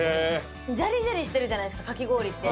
ジャリジャリしてるじゃないですか、かき氷って。